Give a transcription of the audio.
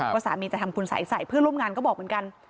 ว่าสามีจะทำคุณสัยใส่เพื่อนร่วมงานก็บอกเหมือนกัน